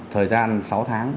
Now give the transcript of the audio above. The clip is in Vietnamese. thời gian sáu tháng